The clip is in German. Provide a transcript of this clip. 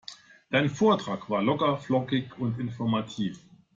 Dein Vortrag war locker, flockig und informativ.